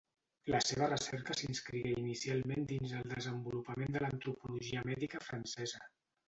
La seva recerca s'inscrigué inicialment dins el desenvolupament de l'antropologia mèdica francesa.